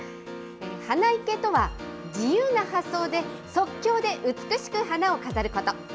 花いけとは自由な発想で、即興で美しく花を飾ること。